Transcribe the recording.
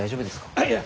あっいや